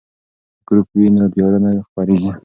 که ګروپ وي نو تیاره نه خپریږي.